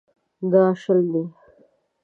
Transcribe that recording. دا شل دي.